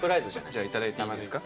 じゃあいただいていいですか？